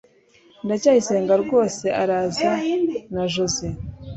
ndacyayisenga rwose arasa na joze